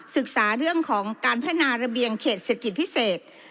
ศึกษาเรื่องของการพัฒนาระเบียงเขตเศรษฐกิจพิเศษ